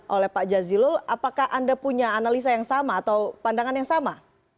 oleh pak jazilul apakah anda punya analisa yang sama atau pandangan yang sama